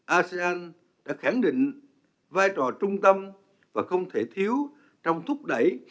asean đã khẳng định vai trò trung tâm và không thể thiếu trong thúc đẩy